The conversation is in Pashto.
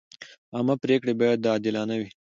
عامه پریکړې باید عادلانه وي.